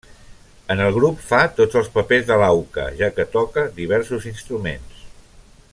En el grup fa tots els papers de l'auca, ja que toca diversos instruments.